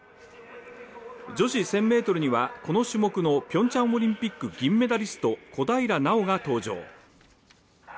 女子１０００ｍにはこの種目のピョンチャンオリンピック金メダリスト小平奈緒が登場。